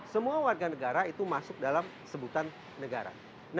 semua warga negara itu masuk dalam sebutan negara